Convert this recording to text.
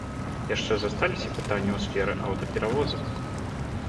Яшчэ засталіся пытанні ў сферы аўтаперавозак.